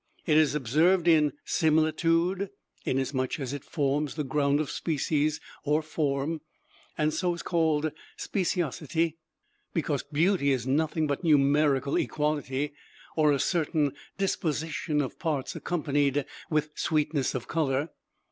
It is observed in similitude, inasmuch as it forms the ground of species or form, and so is called speciosity, because beauty is nothing but numerical equality, or a certain disposition of parts accompanied with sweetness of color.